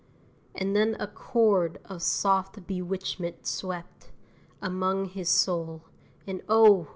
And then a chord of soft bewitchment swept Along his soul; and, oh!